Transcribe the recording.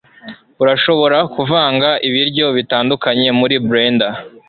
Urashobora kuvanga ibiryo bitandukanye muri blender.